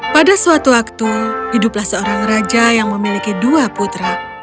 pada suatu waktu hiduplah seorang raja yang memiliki dua putra